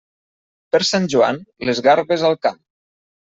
Per Sant Joan, les garbes al camp.